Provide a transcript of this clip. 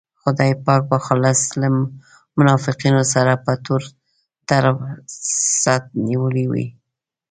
خدای پاک به خالص له منافقینو سره په تور تر څټ نیولی وي.